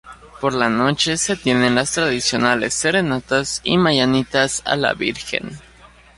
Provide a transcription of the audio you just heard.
Por la noche se tienen las Tradicionales Serenatas y Mañanitas a la Virgen.